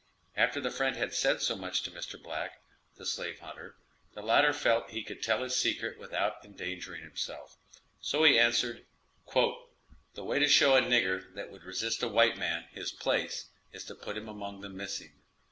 After the friend had said so much to Mr. Black, the slave hunter, the latter felt that he could tell his secret without endangering himself, so he answered: "The way to show a nigger that would resist a white man, his place, is to put him among the missing.